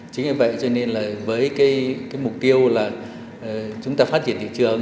chính vì vậy cho nên là với cái mục tiêu là chúng ta phát triển thị trường